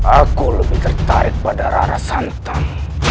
aku lebih tertarik pada rara santan